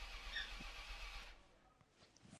El gobierno, por su parte, aportaría rentas y bienes.